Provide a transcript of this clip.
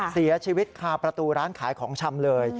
เสียชีวิตคาประตูร้านขายของชำเลย